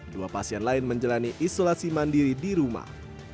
dua pasien lain menjalani isolasi mandiri di rumah